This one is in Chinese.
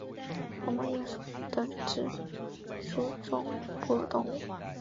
黄毛鼹属等之数种哺乳动物。